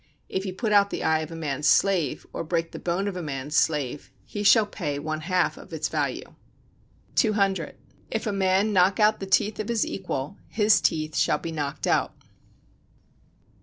If he put out the eye of a man's slave, or break the bone of a man's slave, he shall pay one half of its value. 200. If a man knock out the teeth of his equal, his teeth shall be knocked out.